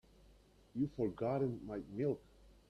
You've forgotten my milk.